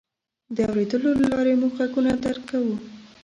د اورېدلو له لارې موږ غږونه درک کوو.